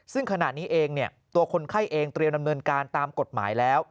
ซึ่งขณะนี้เองตัวคนไข้เองเตรียมดำเนินการตามกฎหมายแล้ว